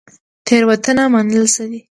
تیروتنه منل څه دي؟